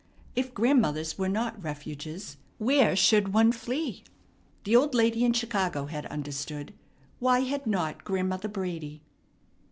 If grandmothers were not refuges, where should one flee? The old lady in Chicago had understood; why had not Grandmother Brady?